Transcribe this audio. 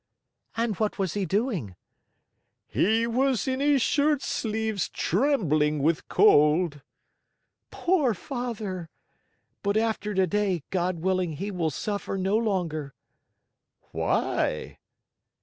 "And what was he doing?" "He was in his shirt sleeves trembling with cold." "Poor Father! But, after today, God willing, he will suffer no longer." "Why?"